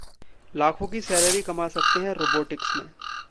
लाखों की सैलरी कमा सकते हैं रोबोटिक्स में